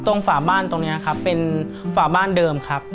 ฝาบ้านตรงนี้ครับเป็นฝาบ้านเดิมครับ